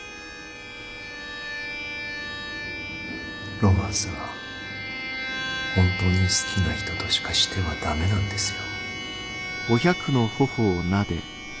ロマンスは本当に好きな人としかしては駄目なんですよ。